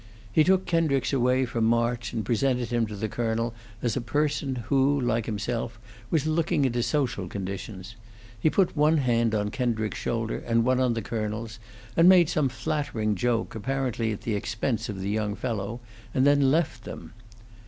He took Kendricks away from March and presented him to the colonel as a person who, like himself, was looking into social conditions; he put one hand on Kendricks's shoulder, and one on the colonel's, and made some flattering joke, apparently at the expense of the young fellow, and then left them.